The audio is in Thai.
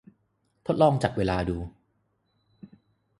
ทดลองจับเวลาดู